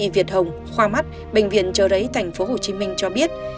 việt hồng khoa mắt bệnh viện chờ lấy tp hcm cho biết